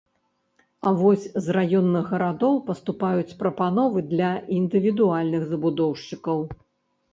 А вось з раённых гарадоў паступаюць прапановы для індывідуальных забудоўшчыкаў.